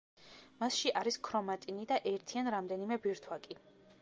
მასში არის ქრომატინი და ერთი ან რამდენიმე ბირთვაკი.